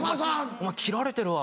「お前斬られてるわ」